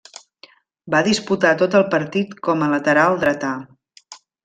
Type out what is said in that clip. Va disputar tot el partit com a lateral dretà.